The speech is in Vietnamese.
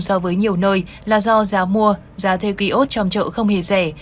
so với nhiều nơi là do giá mua giá thuê ký ốt trong chợ không hề rẻ